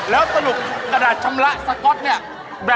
แล้วสรุปกระดาษชำระ